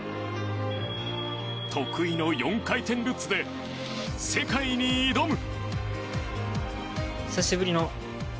得意の４回転ルッツで世界に挑む。